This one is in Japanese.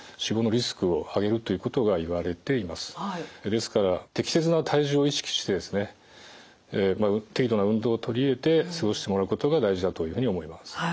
ですから適切な体重を意識して適度な運動を取り入れて過ごしてもらうことが大事だというふうに思います。